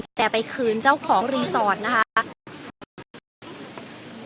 เอากุญแจไปคืนเจ้าของรีสอร์ทนะคะ